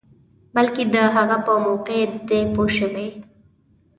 بلکې د هغه په موقع کې دی پوه شوې!.